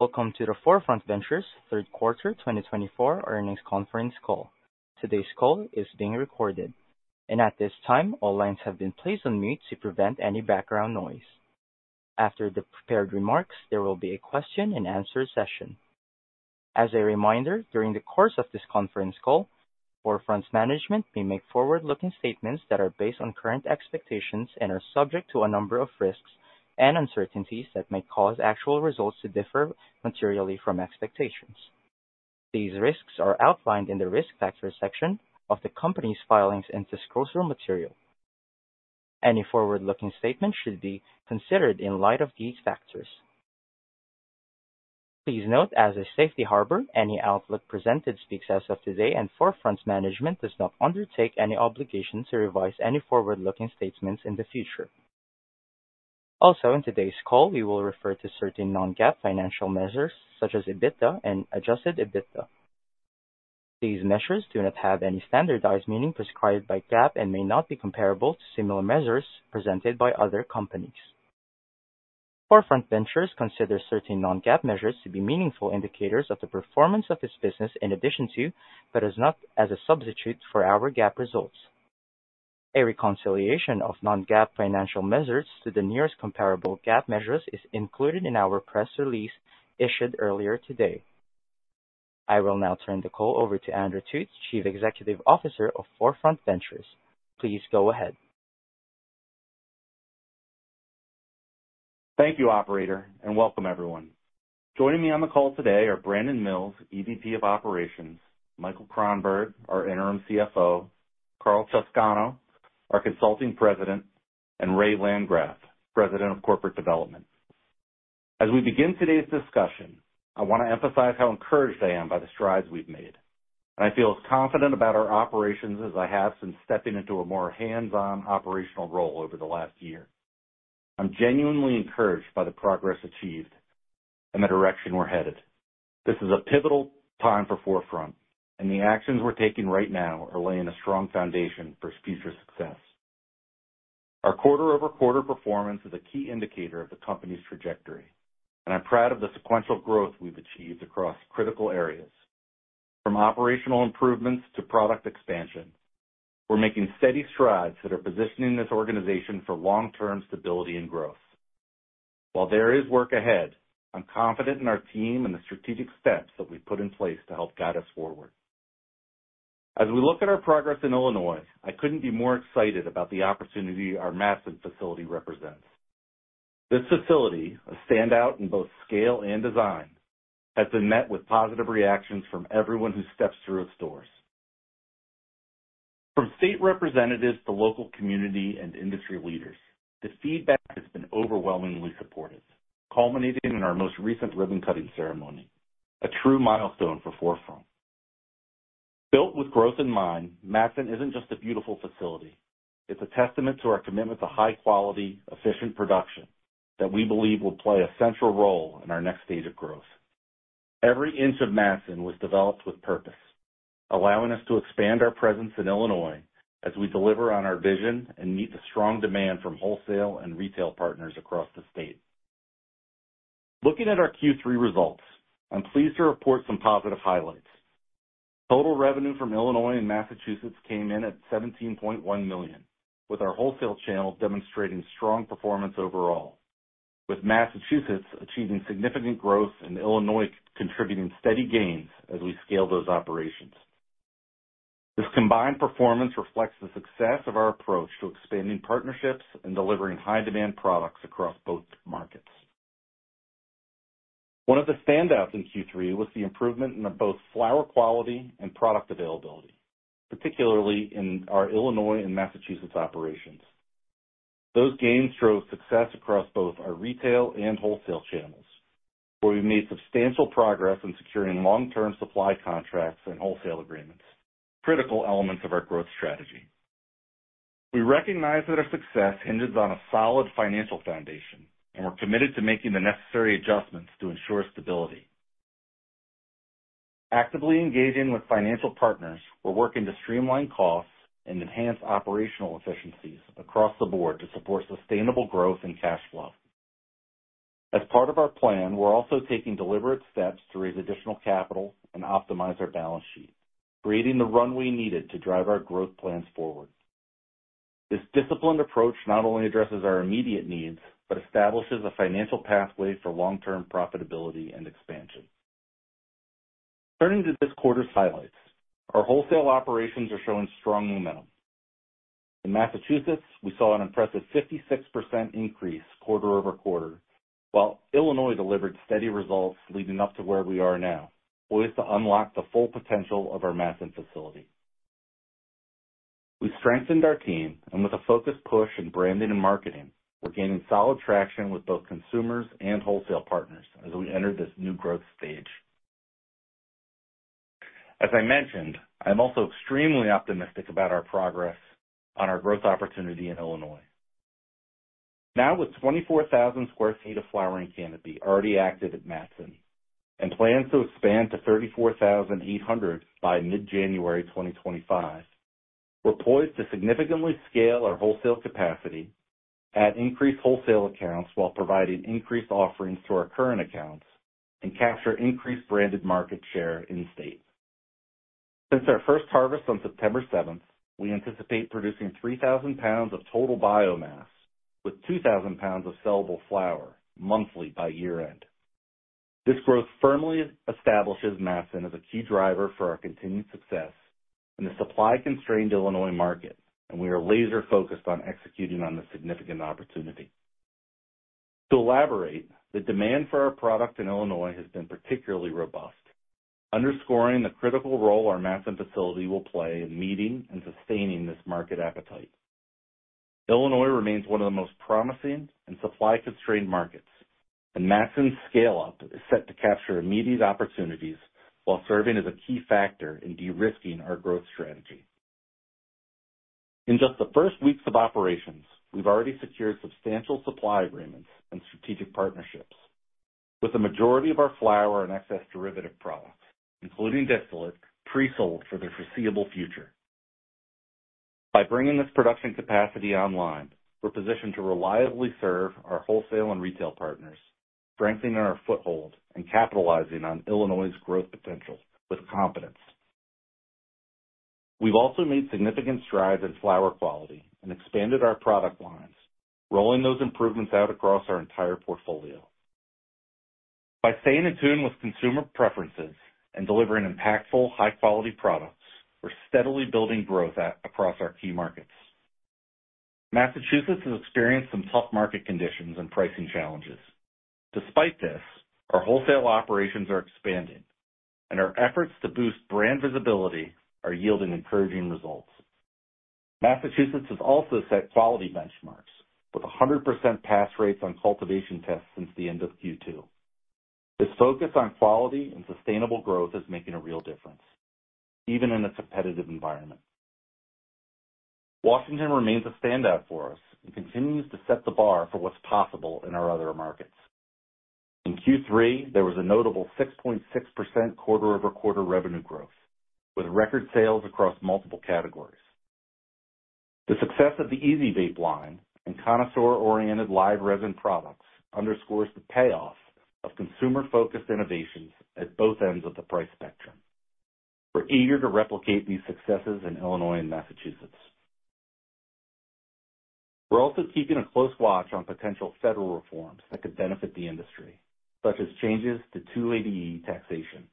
Welcome to the 4Front Ventures Third Quarter 2024 Earnings Conference Call. Today's call is being recorded, and at this time, all lines have been placed on mute to prevent any background noise. After the prepared remarks, there will be a question-and-answer session. As a reminder, during the course of this conference call, 4Front's management may make forward-looking statements that are based on current expectations and are subject to a number of risks and uncertainties that may cause actual results to differ materially from expectations. These risks are outlined in the risk factors section of the company's filings and disclosure material. Any forward-looking statements should be considered in light of these factors. Please note, as a safe harbor, any outlook presented speaks as of today, and 4Front's management does not undertake any obligation to revise any forward-looking statements in the future. Also, in today's call, we will refer to certain non-GAAP financial measures, such as EBITDA and adjusted EBITDA. These measures do not have any standardized meaning prescribed by GAAP and may not be comparable to similar measures presented by other companies. 4Front Ventures considers certain non-GAAP measures to be meaningful indicators of the performance of its business, in addition to, but not as a substitute for our GAAP results. A reconciliation of non-GAAP financial measures to the nearest comparable GAAP measures is included in our press release issued earlier today. I will now turn the call over to Andrew Thut, Chief Executive Officer of 4Front Ventures. Please go ahead. Thank you, Operator, and welcome, everyone. Joining me on the call today are Brandon Mills, EVP of Operations; Michael Kronberg, our interim CFO; Karl Chowscano, our Consulting President; and Ray Landgraf, President of Corporate Development. As we begin today's discussion, I want to emphasize how encouraged I am by the strides we've made, and I feel as confident about our operations as I have since stepping into a more hands-on operational role over the last year. I'm genuinely encouraged by the progress achieved and the direction we're headed. This is a pivotal time for 4Front, and the actions we're taking right now are laying a strong foundation for future success. Our quarter-over-quarter performance is a key indicator of the company's trajectory, and I'm proud of the sequential growth we've achieved across critical areas. From operational improvements to product expansion, we're making steady strides that are positioning this organization for long-term stability and growth. While there is work ahead, I'm confident in our team and the strategic steps that we've put in place to help guide us forward. As we look at our progress in Illinois, I couldn't be more excited about the opportunity our Matteson facility represents. This facility, a standout in both scale and design, has been met with positive reactions from everyone who steps through its doors. From state representatives to local community and industry leaders, the feedback has been overwhelmingly supportive, culminating in our most recent ribbon-cutting ceremony, a true milestone for 4Front. Built with growth in mind, Matteson isn't just a beautiful facility. It's a testament to our commitment to high-quality, efficient production that we believe will play a central role in our next stage of growth. Every inch of Matteson was developed with purpose, allowing us to expand our presence in Illinois as we deliver on our vision and meet the strong demand from wholesale and retail partners across the state. Looking at our Q3 results, I'm pleased to report some positive highlights. Total revenue from Illinois and Massachusetts came in at $17.1 million, with our wholesale channel demonstrating strong performance overall, with Massachusetts achieving significant growth and Illinois contributing steady gains as we scale those operations. This combined performance reflects the success of our approach to expanding partnerships and delivering high-demand products across both markets. One of the standouts in Q3 was the improvement in both flower quality and product availability, particularly in our Illinois and Massachusetts operations. Those gains drove success across both our retail and wholesale channels, where we made substantial progress in securing long-term supply contracts and wholesale agreements, critical elements of our growth strategy. We recognize that our success hinges on a solid financial foundation, and we're committed to making the necessary adjustments to ensure stability. Actively engaging with financial partners, we're working to streamline costs and enhance operational efficiencies across the board to support sustainable growth and cash flow. As part of our plan, we're also taking deliberate steps to raise additional capital and optimize our balance sheet, creating the runway needed to drive our growth plans forward. This disciplined approach not only addresses our immediate needs but establishes a financial pathway for long-term profitability and expansion. Turning to this quarter's highlights, our wholesale operations are showing strong momentum. In Massachusetts, we saw an impressive 56% increase quarter-over-quarter, while Illinois delivered steady results leading up to where we are now, poised to unlock the full potential of our Matteson facility. We strengthened our team, and with a focused push in branding and marketing, we're gaining solid traction with both consumers and wholesale partners as we enter this new growth stage. As I mentioned, I'm also extremely optimistic about our progress on our growth opportunity in Illinois. Now, with 24,000 sq ft of flowering canopy already active at Matteson and plans to expand to 34,800 by mid-January 2025, we're poised to significantly scale our wholesale capacity, add increased wholesale accounts while providing increased offerings to our current accounts, and capture increased branded market share in state. Since our first harvest on September 7th, we anticipate producing 3,000 pounds of total biomass with 2,000 pounds of sellable flower monthly by year-end. This growth firmly establishes Matteson as a key driver for our continued success in the supply-constrained Illinois market, and we are laser-focused on executing on this significant opportunity. To elaborate, the demand for our product in Illinois has been particularly robust, underscoring the critical role our Matteson facility will play in meeting and sustaining this market appetite. Illinois remains one of the most promising and supply-constrained markets, and Matteson's scale-up is set to capture immediate opportunities while serving as a key factor in de-risking our growth strategy. In just the first weeks of operations, we've already secured substantial supply agreements and strategic partnerships, with the majority of our flower and excess derivative products, including distillate, pre-sold for the foreseeable future. By bringing this production capacity online, we're positioned to reliably serve our wholesale and retail partners, strengthening our foothold and capitalizing on Illinois's growth potential with confidence. We've also made significant strides in flower quality and expanded our product lines, rolling those improvements out across our entire portfolio. By staying in tune with consumer preferences and delivering impactful, high-quality products, we're steadily building growth across our key markets. Massachusetts has experienced some tough market conditions and pricing challenges. Despite this, our wholesale operations are expanding, and our efforts to boost brand visibility are yielding encouraging results. Massachusetts has also set quality benchmarks with 100% pass rates on cultivation tests since the end of Q2. This focus on quality and sustainable growth is making a real difference, even in a competitive environment. Washington remains a standout for us and continues to set the bar for what's possible in our other markets. In Q3, there was a notable 6.6% quarter-over-quarter revenue growth, with record sales across multiple categories. The success of the EZ Vape line and connoisseur-oriented live resin products underscores the payoff of consumer-focused innovations at both ends of the price spectrum. We're eager to replicate these successes in Illinois and Massachusetts. We're also keeping a close watch on potential federal reforms that could benefit the industry, such as changes to 280E taxation.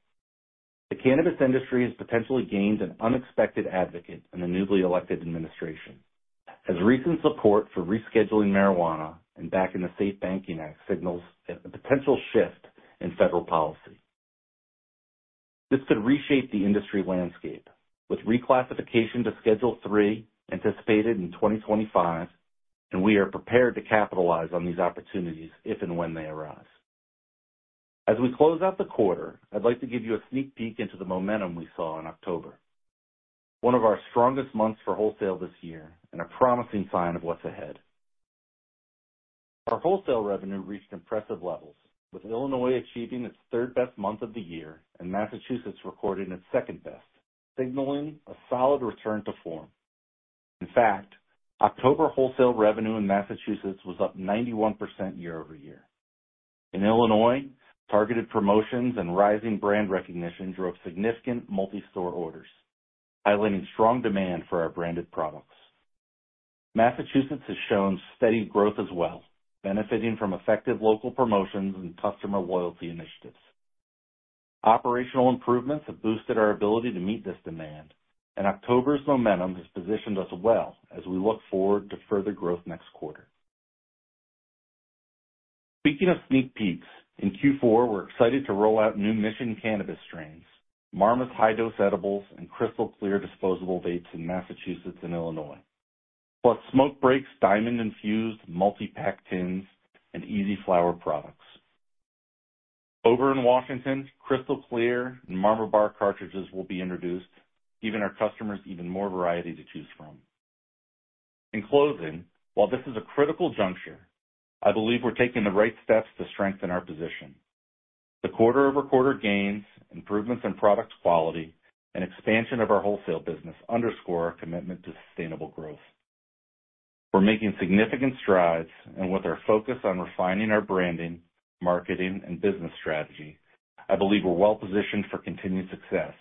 The cannabis industry has potentially gained an unexpected advocate in the newly elected administration, as recent support for rescheduling marijuana and backing the SAFE Banking Act signals a potential shift in federal policy. This could reshape the industry landscape, with reclassification to Schedule III anticipated in 2025, and we are prepared to capitalize on these opportunities if and when they arise. As we close out the quarter, I'd like to give you a sneak peek into the momentum we saw in October, one of our strongest months for wholesale this year and a promising sign of what's ahead. Our wholesale revenue reached impressive levels, with Illinois achieving its third-best month of the year and Massachusetts recording its second-best, signaling a solid return to form. In fact, October wholesale revenue in Massachusetts was up 91% year-over-year. In Illinois, targeted promotions and rising brand recognition drove significant multi-store orders, highlighting strong demand for our branded products. Massachusetts has shown steady growth as well, benefiting from effective local promotions and customer loyalty initiatives. Operational improvements have boosted our ability to meet this demand, and October's momentum has positioned us well as we look forward to further growth next quarter. Speaking of sneak peeks, in Q4, we're excited to roll out new Mission cannabis strains, Marmas high-dose edibles, and Crystal Clear disposable vapes in Massachusetts and Illinois, plus Smoke Breaks, diamond-infused multi-pack tins, and EZ Flower products. Over in Washington, Crystal Clear and Marmas cartridges will be introduced, giving our customers even more variety to choose from. In closing, while this is a critical juncture, I believe we're taking the right steps to strengthen our position. The quarter-over-quarter gains, improvements in product quality, and expansion of our wholesale business underscore our commitment to sustainable growth. We're making significant strides, and with our focus on refining our branding, marketing, and business strategy, I believe we're well-positioned for continued success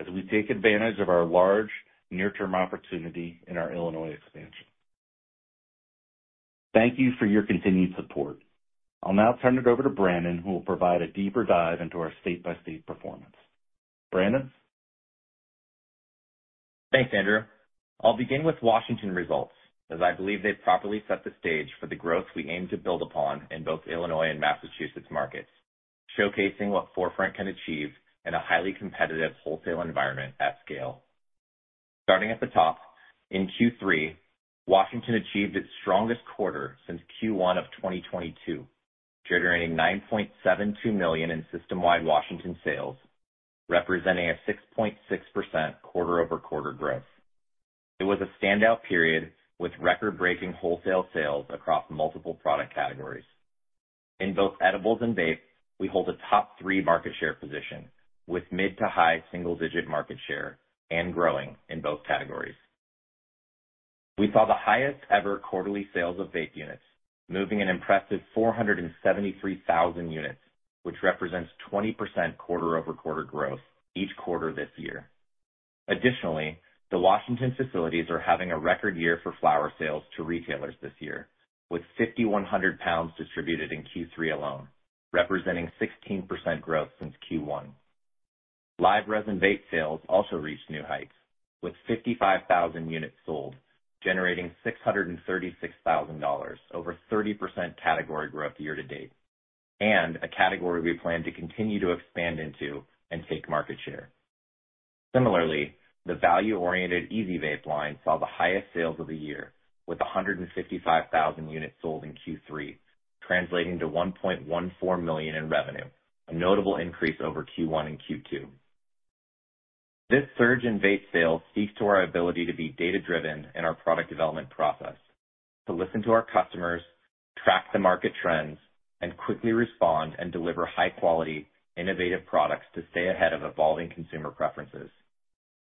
as we take advantage of our large, near-term opportunity in our Illinois expansion. Thank you for your continued support. I'll now turn it over to Brandon, who will provide a deeper dive into our state-by-state performance. Brandon? Thanks, Andrew. I'll begin with Washington results, as I believe they've properly set the stage for the growth we aim to build upon in both Illinois and Massachusetts markets, showcasing what 4Front can achieve in a highly competitive wholesale environment at scale. Starting at the top, in Q3, Washington achieved its strongest quarter since Q1 of 2022, generating $9.72 million in system-wide Washington sales, representing a 6.6% quarter-over-quarter growth. It was a standout period with record-breaking wholesale sales across multiple product categories. In both edibles and vapes, we hold a top-three market share position, with mid-to-high single-digit market share and growing in both categories. We saw the highest-ever quarterly sales of vape units, moving an impressive 473,000 units, which represents 20% quarter-over-quarter growth each quarter this year. Additionally, the Washington facilities are having a record year for flower sales to retailers this year, with 5,100 pounds distributed in Q3 alone, representing 16% growth since Q1. Live resin vape sales also reached new heights, with 55,000 units sold, generating $636,000, over 30% category growth year-to-date, and a category we plan to continue to expand into and take market share. Similarly, the value-oriented EZ Vape line saw the highest sales of the year, with 155,000 units sold in Q3, translating to $1.14 million in revenue, a notable increase over Q1 and Q2. This surge in vape sales speaks to our ability to be data-driven in our product development process, to listen to our customers, track the market trends, and quickly respond and deliver high-quality, innovative products to stay ahead of evolving consumer preferences.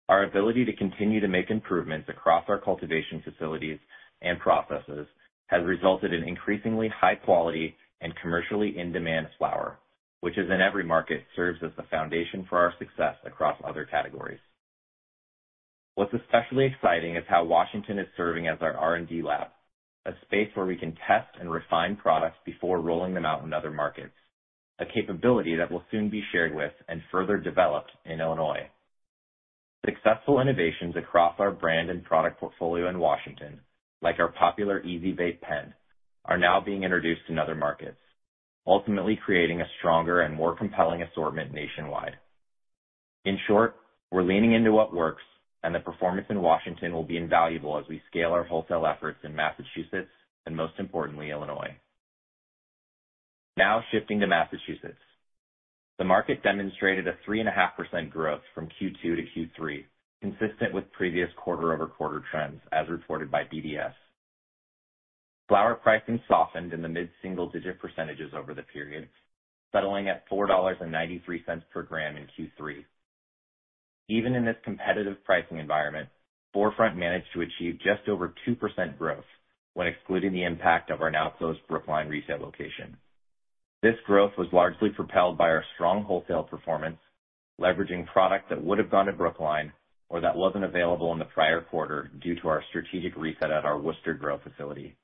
Our ability to continue to make improvements across our cultivation facilities and processes has resulted in increasingly high-quality and commercially in-demand flower, which, as in every market, serves as the foundation for our success across other categories. What's especially exciting is how Washington is serving as our R&D lab, a space where we can test and refine products before rolling them out in other markets, a capability that will soon be shared with and further developed in Illinois. Successful innovations across our brand and product portfolio in Washington, like our popular EZ Vape pen, are now being introduced in other markets, ultimately creating a stronger and more compelling assortment nationwide. In short, we're leaning into what works, and the performance in Washington will be invaluable as we scale our wholesale efforts in Massachusetts and, most importantly, Illinois. Now shifting to Massachusetts, the market demonstrated a 3.5% growth from Q2 to Q3, consistent with previous quarter-over-quarter trends, as reported by BDS. Flower pricing softened in the mid-single-digit percentages over the period, settling at $4.93 per gram in Q3. Even in this competitive pricing environment, 4Front managed to achieve just over 2% growth when excluding the impact of our now-closed Brookline retail location. This growth was largely propelled by our strong wholesale performance, leveraging product that would have gone to Brookline or that wasn't available in the prior quarter due to our strategic reset at our Worcester growth facility.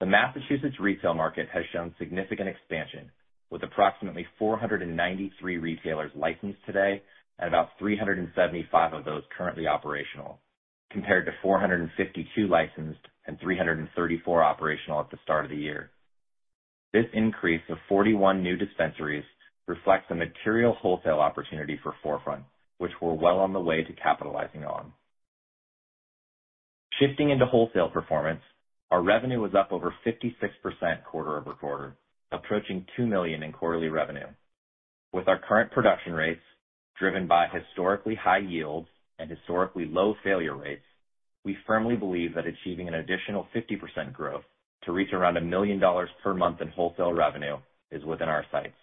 The Massachusetts retail market has shown significant expansion, with approximately 493 retailers licensed today and about 375 of those currently operational, compared to 452 licensed and 334 operational at the start of the year. This increase of 41 new dispensaries reflects a material wholesale opportunity for 4Front, which we're well on the way to capitalizing on. Shifting into wholesale performance, our revenue was up over 56% quarter-over-quarter, approaching $2 million in quarterly revenue. With our current production rates, driven by historically high yields and historically low failure rates, we firmly believe that achieving an additional 50% growth to reach around $1 million per month in wholesale revenue is within our sights.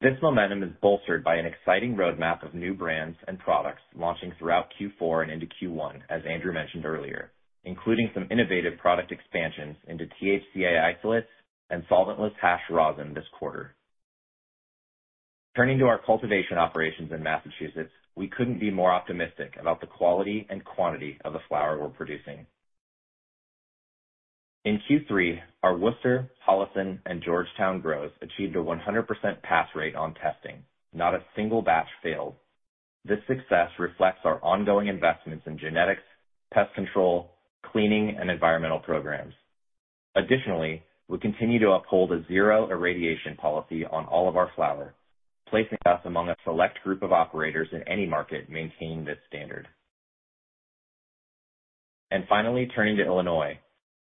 This momentum is bolstered by an exciting roadmap of new brands and products launching throughout Q4 and into Q1, as Andrew mentioned earlier, including some innovative product expansions into THCA isolates and solventless hash rosin this quarter. Turning to our cultivation operations in Massachusetts, we couldn't be more optimistic about the quality and quantity of the flower we're producing. In Q3, our Worcester, Holliston, and Georgetown grows achieved a 100% pass rate on testing. Not a single batch failed. This success reflects our ongoing investments in genetics, pest control, cleaning, and environmental programs. Additionally, we continue to uphold a zero-irradiation policy on all of our flower, placing us among a select group of operators in any market maintaining this standard, and finally, turning to Illinois,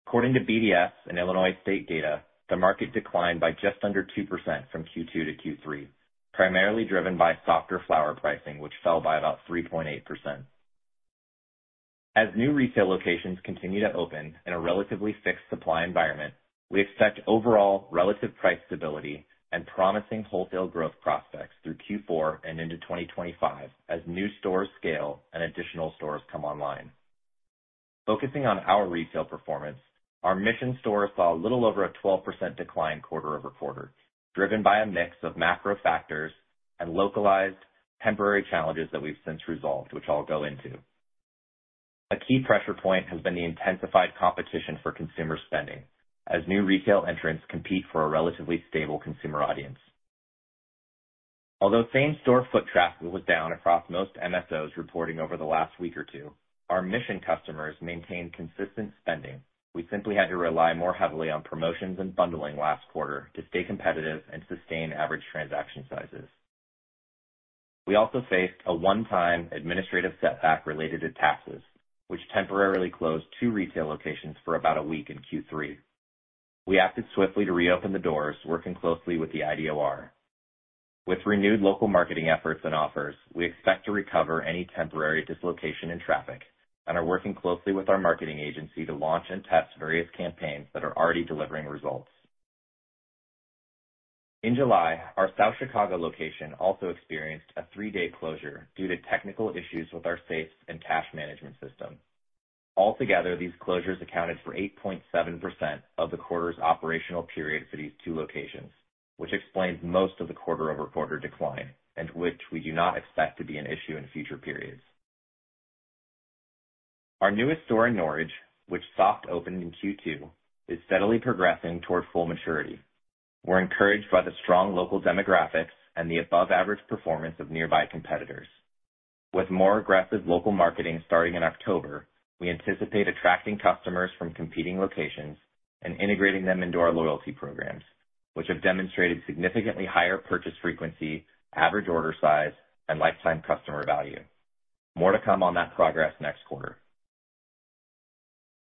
according to BDS and Illinois state data, the market declined by just under 2% from Q2 to Q3, primarily driven by softer flower pricing, which fell by about 3.8%. As new retail locations continue to open in a relatively fixed supply environment, we expect overall relative price stability and promising wholesale growth prospects through Q4 and into 2025 as new stores scale and additional stores come online. Focusing on our retail performance, our Mission stores saw a little over a 12% decline quarter-over-quarter, driven by a mix of macro factors and localized temporary challenges that we've since resolved, which I'll go into. A key pressure point has been the intensified competition for consumer spending, as new retail entrants compete for a relatively stable consumer audience. Although same-store foot traffic was down across most MSOs reporting over the last week or two, our Mission customers maintained consistent spending. We simply had to rely more heavily on promotions and bundling last quarter to stay competitive and sustain average transaction sizes. We also faced a one-time administrative setback related to taxes, which temporarily closed two retail locations for about a week in Q3. We acted swiftly to reopen the doors, working closely with the IDOR. With renewed local marketing efforts and offers, we expect to recover any temporary dislocation in traffic and are working closely with our marketing agency to launch and test various campaigns that are already delivering results. In July, our South Chicago location also experienced a three-day closure due to technical issues with our safes and cash management system. Altogether, these closures accounted for 8.7% of the quarter's operational period for these two locations, which explains most of the quarter-over-quarter decline, and which we do not expect to be an issue in future periods. Our newest store in Norridge, which soft-opened in Q2, is steadily progressing toward full maturity. We're encouraged by the strong local demographics and the above-average performance of nearby competitors. With more aggressive local marketing starting in October, we anticipate attracting customers from competing locations and integrating them into our loyalty programs, which have demonstrated significantly higher purchase frequency, average order size, and lifetime customer value. More to come on that progress next quarter.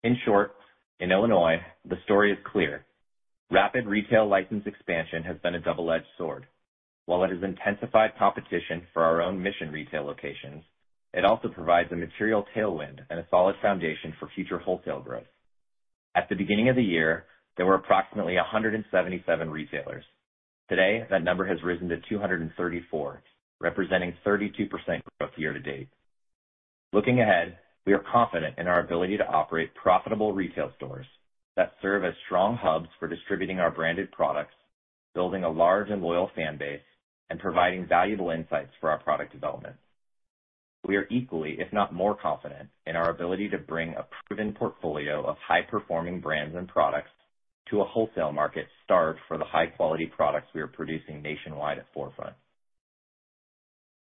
In short, in Illinois, the story is clear. Rapid retail license expansion has been a double-edged sword. While it has intensified competition for our own Mission retail locations, it also provides a material tailwind and a solid foundation for future wholesale growth. At the beginning of the year, there were approximately 177 retailers. Today, that number has risen to 234, representing 32% growth year-to-date. Looking ahead, we are confident in our ability to operate profitable retail stores that serve as strong hubs for distributing our branded products, building a large and loyal fan base, and providing valuable insights for our product development. We are equally, if not more confident, in our ability to bring a proven portfolio of high-performing brands and products to a wholesale market starved for the high-quality products we are producing nationwide at 4Front.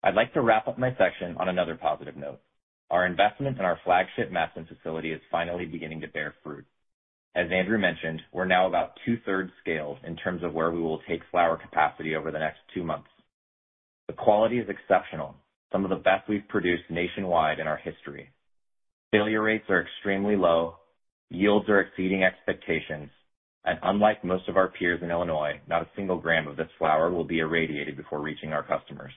I'd like to wrap up my section on another positive note. Our investment in our flagship Matteson facility is finally beginning to bear fruit. As Andrew mentioned, we're now about two-thirds scaled in terms of where we will take flower capacity over the next two months. The quality is exceptional, some of the best we've produced nationwide in our history. Failure rates are extremely low, yields are exceeding expectations, and unlike most of our peers in Illinois, not a single gram of this flower will be irradiated before reaching our customers.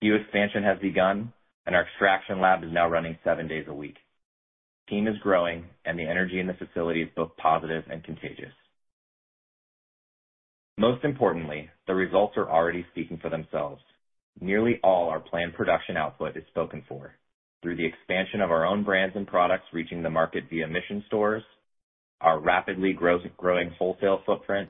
The expansion has begun, and our extraction lab is now running seven days a week. Team is growing, and the energy in the facility is both positive and contagious. Most importantly, the results are already speaking for themselves. Nearly all our planned production output is spoken for through the expansion of our own brands and products reaching the market via Mission stores, our rapidly growing wholesale footprint,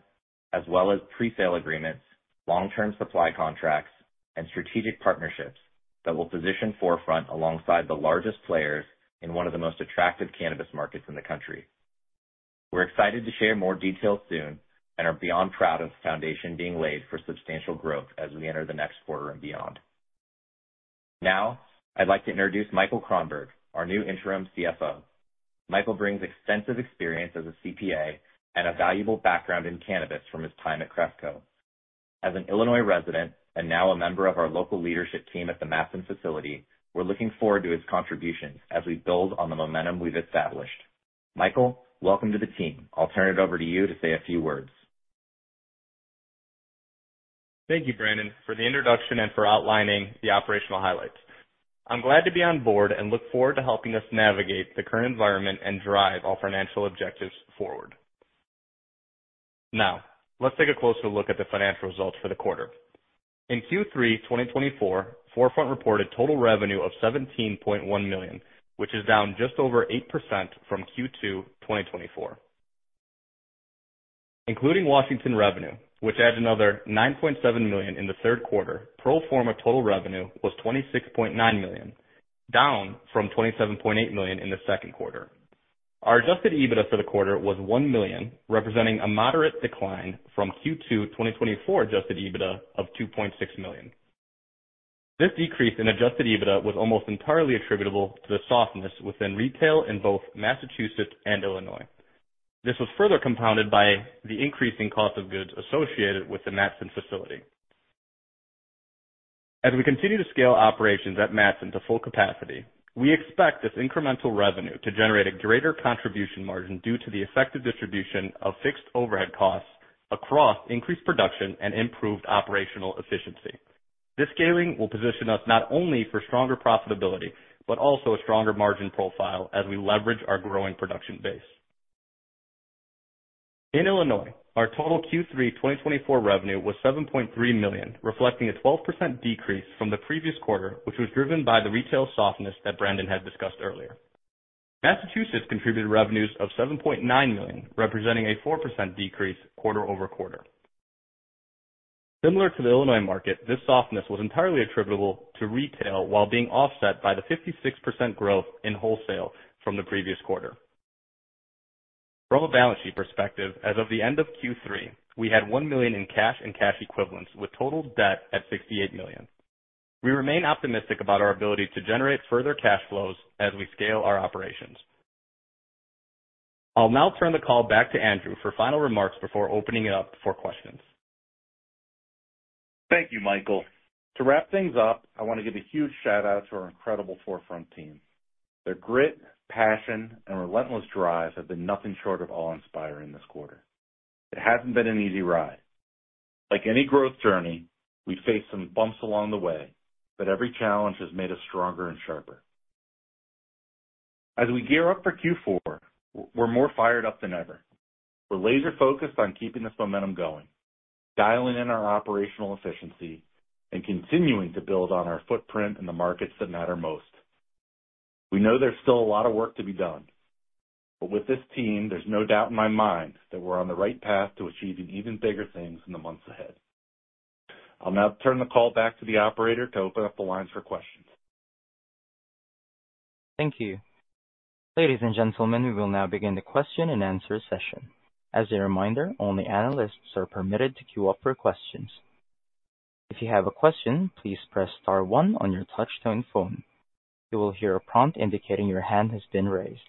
as well as presale agreements, long-term supply contracts, and strategic partnerships that will position 4Front alongside the largest players in one of the most attractive cannabis markets in the country. We're excited to share more details soon and are beyond proud of the foundation being laid for substantial growth as we enter the next quarter and beyond. Now, I'd like to introduce Michael Kronberg, our new Interim CFO. Michael brings extensive experience as a CPA and a valuable background in cannabis from his time at Cresco. As an Illinois resident and now a member of our local leadership team at the Matteson facility, we're looking forward to his contributions as we build on the momentum we've established. Michael, welcome to the team. I'll turn it over to you to say a few words. Thank you, Brandon, for the introduction and for outlining the operational highlights. I'm glad to be on board and look forward to helping us navigate the current environment and drive our financial objectives forward. Now, let's take a closer look at the financial results for the quarter. In Q3 2024, 4Front reported total revenue of $17.1 million, which is down just over 8% from Q2 2024. Including Washington revenue, which adds another $9.7 million in the third quarter, pro forma total revenue was $26.9 million, down from $27.8 million in the second quarter. Our adjusted EBITDA for the quarter was $1 million, representing a moderate decline from Q2 2024 adjusted EBITDA of $2.6 million. This decrease in adjusted EBITDA was almost entirely attributable to the softness within retail in both Massachusetts and Illinois. This was further compounded by the increasing cost of goods associated with the Matteson facility. As we continue to scale operations at Matteson to full capacity, we expect this incremental revenue to generate a greater contribution margin due to the effective distribution of fixed overhead costs across increased production and improved operational efficiency. This scaling will position us not only for stronger profitability but also a stronger margin profile as we leverage our growing production base. In Illinois, our total Q3 2024 revenue was $7.3 million, reflecting a 12% decrease from the previous quarter, which was driven by the retail softness that Brandon had discussed earlier. Massachusetts contributed revenues of $7.9 million, representing a 4% decrease quarter-over-quarter. Similar to the Illinois market, this softness was entirely attributable to retail while being offset by the 56% growth in wholesale from the previous quarter. From a balance sheet perspective, as of the end of Q3, we had $1 million in cash and cash equivalents with total debt at $68 million. We remain optimistic about our ability to generate further cash flows as we scale our operations. I'll now turn the call back to Andrew for final remarks before opening it up for questions. Thank you, Michael. To wrap things up, I want to give a huge shout-out to our incredible 4Front team. Their grit, passion, and relentless drive have been nothing short of awe-inspiring this quarter. It hasn't been an easy ride. Like any growth journey, we've faced some bumps along the way, but every challenge has made us stronger and sharper. As we gear up for Q4, we're more fired up than ever. We're laser-focused on keeping this momentum going, dialing in our operational efficiency, and continuing to build on our footprint in the markets that matter most. We know there's still a lot of work to be done, but with this team, there's no doubt in my mind that we're on the right path to achieving even bigger things in the months ahead. I'll now turn the call back to the operator to open up the lines for questions. Thank you. Ladies and gentlemen, we will now begin the question and answer session. As a reminder, only analysts are permitted to queue up for questions. If you have a question, please press Star 1 on your touch-tone phone. You will hear a prompt indicating your hand has been raised.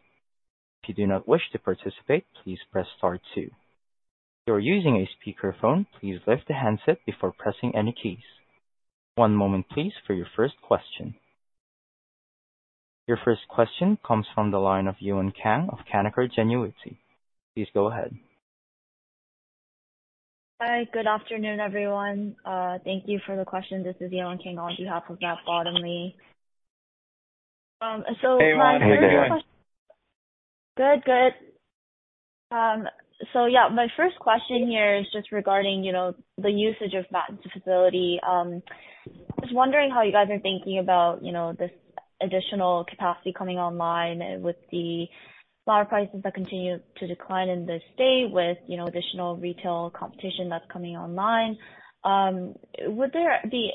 If you do not wish to participate, please press Star 2. If you are using a speakerphone, please lift the handset before pressing any keys. One moment, please, for your first question. Your first question comes from the line of Ywen Kang of Canaccord Genuity. Please go ahead. Hi, good afternoon, everyone. Thank you for the question. This is Ywen Kang on behalf of Matt Bottomley. Hey, everyone. My first question. Hey, everyone. Good, good. So yeah, my first question here is just regarding the usage of the Matteson facility. Just wondering how you guys are thinking about this additional capacity coming online with the flower prices that continue to decline in this state with additional retail competition that's coming online. Would there be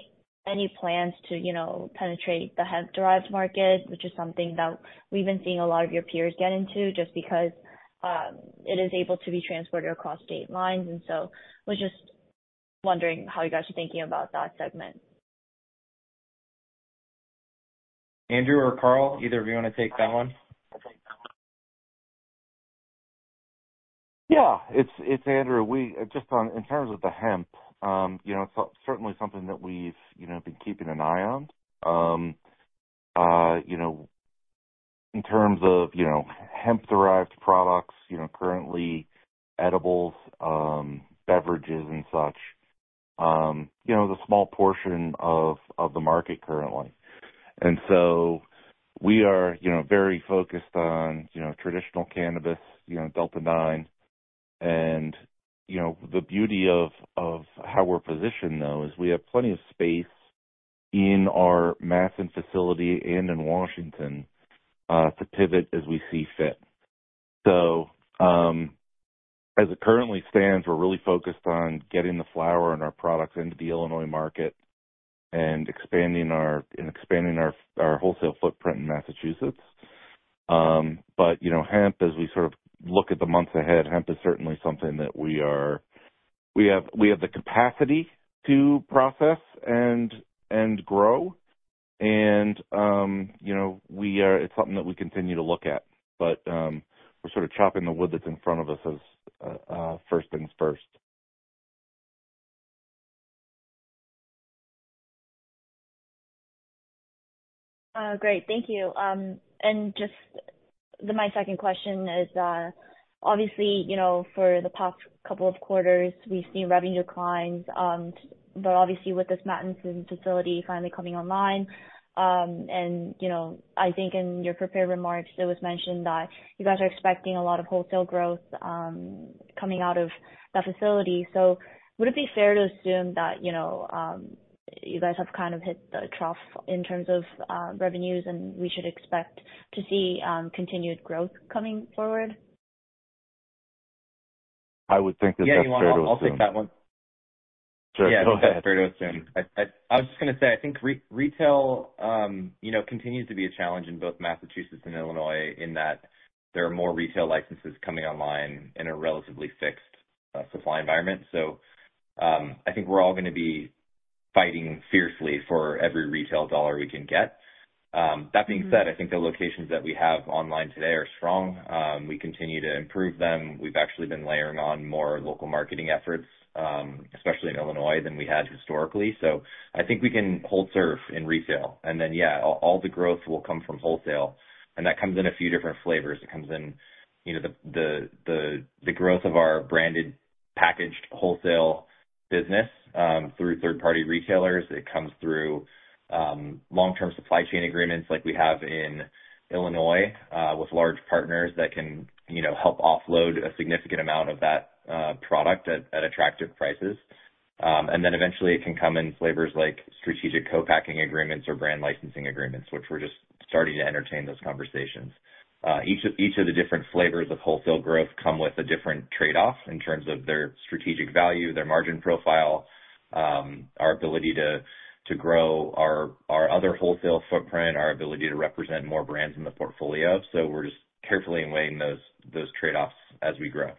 any plans to penetrate the hemp-derived market, which is something that we've been seeing a lot of your peers get into just because it is able to be transported across state lines? We're just wondering how you guys are thinking about that segment. Andrew or Karl, either of you want to take that one? Yeah, it's Andrew. Just in terms of the hemp, it's certainly something that we've been keeping an eye on. In terms of hemp-derived products, currently edibles, beverages, and such, the small portion of the market currently, and so we are very focused on traditional cannabis, Delta-9, and the beauty of how we're positioned, though, is we have plenty of space in our Matteson facility and in Washington to pivot as we see fit, so as it currently stands, we're really focused on getting the flower and our products into the Illinois market and expanding our wholesale footprint in Massachusetts, but hemp, as we sort of look at the months ahead, hemp is certainly something that we have the capacity to process and grow, and it's something that we continue to look at, but we're sort of chopping the wood that's in front of us as first things first. Great. Thank you, and just my second question is, obviously, for the past couple of quarters, we've seen revenue declines, but obviously, with this Matteson facility finally coming online, and I think in your prepared remarks, it was mentioned that you guys are expecting a lot of wholesale growth coming out of that facility, so would it be fair to assume that you guys have kind of hit the trough in terms of revenues, and we should expect to see continued growth coming forward? I would think that that's fair to assume. Yeah, I'll take that one. Sure, go ahead. Yeah, that's fair to assume. I was just going to say, I think retail continues to be a challenge in both Massachusetts and Illinois in that there are more retail licenses coming online in a relatively fixed supply environment. So I think we're all going to be fighting fiercely for every retail dollar we can get. That being said, I think the locations that we have online today are strong. We continue to improve them. We've actually been layering on more local marketing efforts, especially in Illinois, than we had historically. So I think we can hold our turf in retail. And then, yeah, all the growth will come from wholesale. And that comes in a few different flavors. It comes in the growth of our branded packaged wholesale business through third-party retailers. It comes through long-term supply chain agreements like we have in Illinois with large partners that can help offload a significant amount of that product at attractive prices, and then eventually, it can come in flavors like strategic co-packing agreements or brand licensing agreements, which we're just starting to entertain those conversations. Each of the different flavors of wholesale growth come with a different trade-off in terms of their strategic value, their margin profile, our ability to grow our other wholesale footprint, our ability to represent more brands in the portfolio, so we're just carefully weighing those trade-offs as we grow.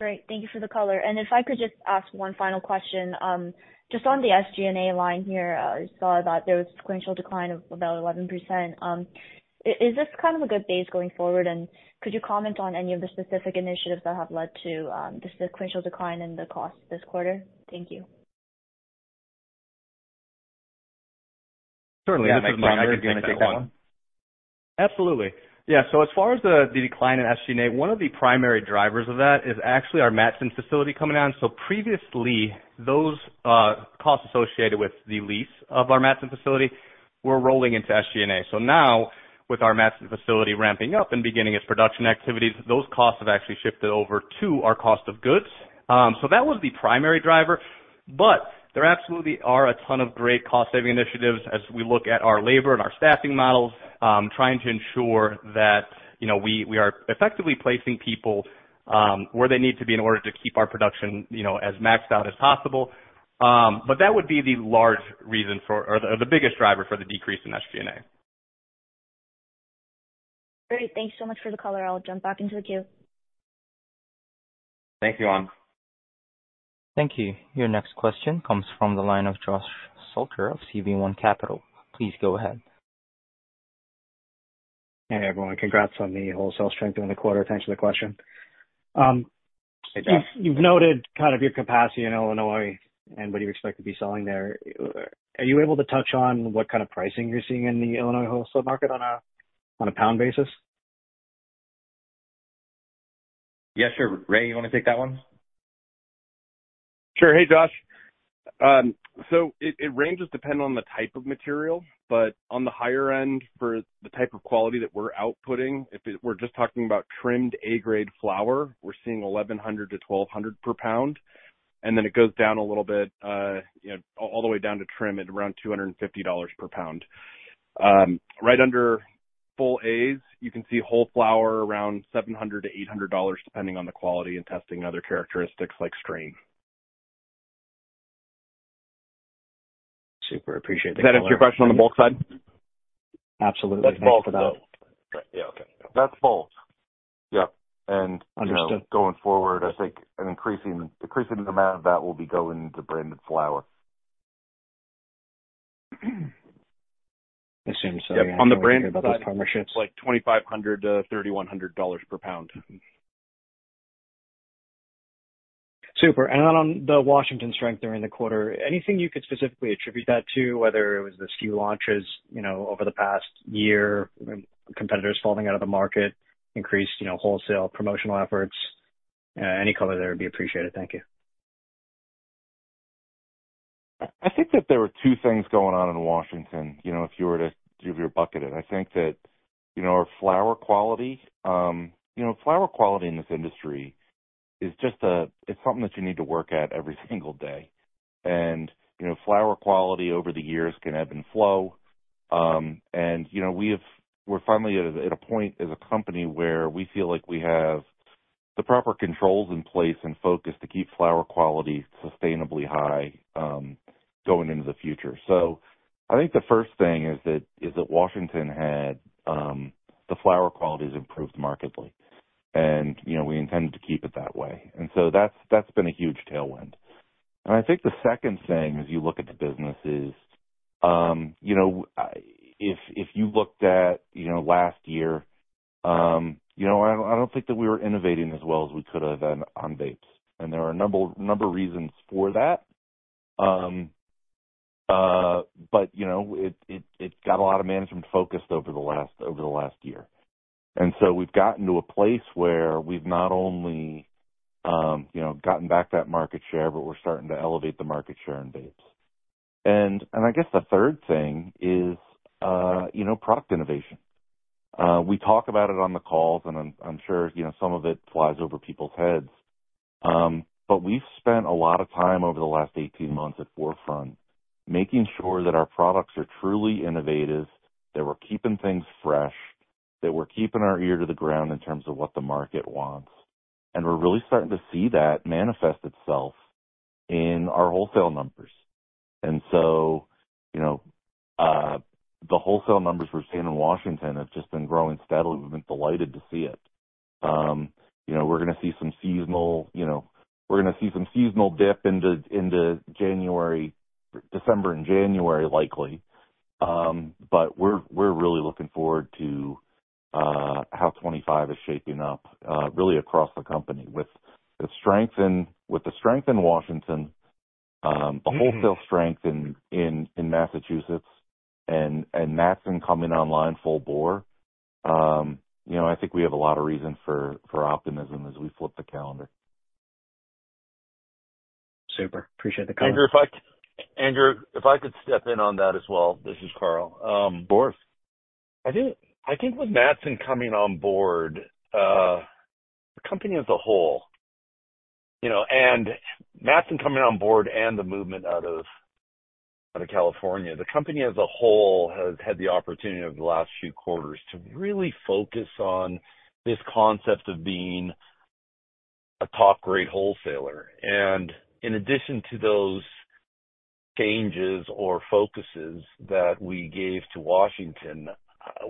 Great. Thank you for the color, and if I could just ask one final question. Just on the SG&A line here, I saw that there was a sequential decline of about 11%. Is this kind of a good base going forward, and could you comment on any of the specific initiatives that have led to the sequential decline in the cost this quarter? Thank you. Certainly, I think, Brandon, I could take that one. Absolutely. Yeah. So as far as the decline in SG&A, one of the primary drivers of that is actually our Matteson facility coming on. So previously, those costs associated with the lease of our Matteson facility were rolling into SG&A. So now, with our Matteson facility ramping up and beginning its production activities, those costs have actually shifted over to our cost of goods. So that was the primary driver. But there absolutely are a ton of great cost-saving initiatives as we look at our labor and our staffing models, trying to ensure that we are effectively placing people where they need to be in order to keep our production as maxed out as possible. But that would be the large reason for or the biggest driver for the decrease in SG&A. Great. Thank you so much for the color. I'll jump back into the queue. Thank you, Ywen. Thank you. Your next question comes from the line of Josh Salkin of CB1 Capital. Please go ahead. Hey, everyone. Congrats on the wholesale strengthening in the quarter. Thanks for the question. Hey, Josh. You've noted kind of your capacity in Illinois and what you expect to be selling there. Are you able to touch on what kind of pricing you're seeing in the Illinois wholesale market on a pound basis? Yeah, sure. Ray, you want to take that one? Sure. Hey, Josh. So it ranges depending on the type of material. But on the higher end for the type of quality that we're outputting, if we're just talking about trimmed A-grade flower, we're seeing $1,100-$1,200 per pound. And then it goes down a little bit all the way down to trim at around $250 per pound. Right under full A's, you can see whole flower around $700-$800 depending on the quality and testing and other characteristics like strain. Super. Appreciate that. Can I ask you a question on the bulk side? Absolutely. That's bulk, though. Yeah, okay. That's bulk. Yeah, and going forward, I think an increasing amount of that will be going into branded flower. I assume so, yeah. On the branded partnerships. Like $2,500-$3,100 per pound. Super. And then on the Washington strengthening in the quarter, anything you could specifically attribute that to, whether it was the SKU launches over the past year, competitors falling out of the market, increased wholesale promotional efforts? Any color there would be appreciated. Thank you. I think that there are two things going on in Washington if you were to give your bucket. I think that our flower quality in this industry is just a, it's something that you need to work at every single day. And flower quality over the years can ebb and flow. And we're finally at a point as a company where we feel like we have the proper controls in place and focus to keep flower quality sustainably high going into the future. So I think the first thing is that in Washington, the flower quality has improved markedly, and we intend to keep it that way. And so that's been a huge tailwind. I think the second thing as you look at the business is if you looked at last year, I don't think that we were innovating as well as we could have on vapes. There are a number of reasons for that. It got a lot of management focused over the last year. We've gotten to a place where we've not only gotten back that market share, but we're starting to elevate the market share in vapes. I guess the third thing is product innovation. We talk about it on the calls, and I'm sure some of it flies over people's heads. We've spent a lot of time over the last 18 months at 4Front making sure that our products are truly innovative, that we're keeping things fresh, that we're keeping our ear to the ground in terms of what the market wants. We're really starting to see that manifest itself in our wholesale numbers. The wholesale numbers we're seeing in Washington have just been growing steadily. We've been delighted to see it. We're going to see some seasonal dip into December and January, likely, but we're really looking forward to how 2025 is shaping up really across the company with the strength in Washington, the wholesale strength in Massachusetts, and Matteson coming online full bore. I think we have a lot of reason for optimism as we flip the calendar. Super. Appreciate the comment. Andrew, if I could step in on that as well. This is Karl. Of course. I think with Matteson coming on board, the company as a whole and the movement out of California, the company as a whole has had the opportunity over the last few quarters to really focus on this concept of being a top-grade wholesaler. And in addition to those changes or focuses that we gave to Washington,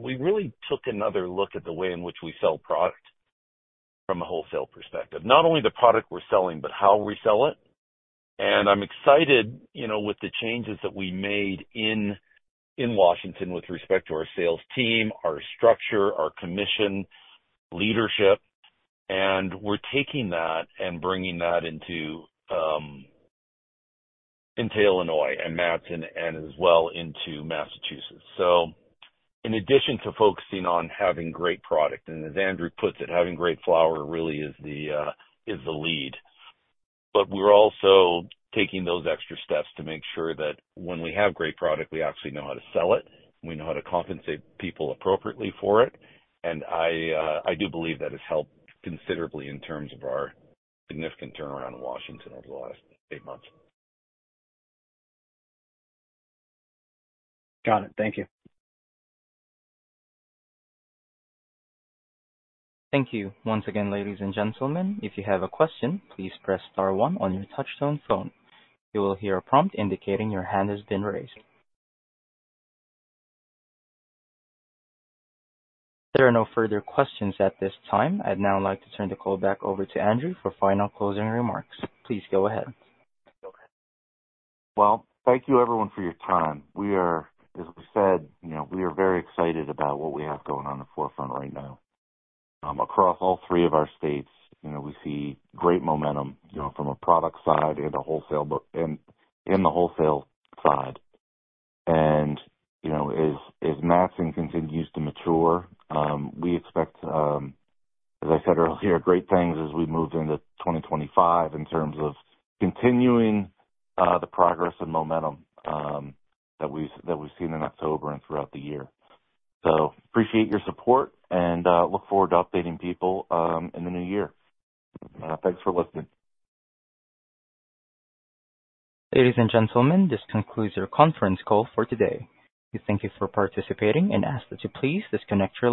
we really took another look at the way in which we sell product from a wholesale perspective. Not only the product we're selling, but how we sell it. And I'm excited with the changes that we made in Washington with respect to our sales team, our structure, our commission, leadership. And we're taking that and bringing that into Illinois and Matteson as well into Massachusetts. So in addition to focusing on having great product, and as Andrew puts it, having great flower really is the lead. But we're also taking those extra steps to make sure that when we have great product, we actually know how to sell it. We know how to compensate people appropriately for it. And I do believe that has helped considerably in terms of our significant turnaround in Washington over the last eight months. Got it. Thank you. Thank you. Once again, ladies and gentlemen, if you have a question, please press star one on your touch-tone phone. You will hear a prompt indicating your hand has been raised. There are no further questions at this time. I'd now like to turn the call back over to Andrew for final closing remarks. Please go ahead. Thank you, everyone, for your time. As we said, we are very excited about what we have going on at 4Front right now. Across all three of our states, we see great momentum from a product side and the wholesale side. As Massachusetts continues to mature, we expect, as I said earlier, great things as we move into 2025 in terms of continuing the progress and momentum that we've seen in October and throughout the year. Appreciate your support and look forward to updating people in the new year. Thanks for listening. Ladies and gentlemen, this concludes our conference call for today. We thank you for participating and ask that you please disconnect from.